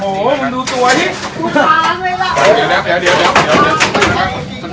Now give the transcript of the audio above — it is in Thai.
หาไม่ออกมาแล้วอยู่ไหมอยู่ไหมอยู่ไหมเดี๋ยวนะเดี๋ยวนะเดี๋ยว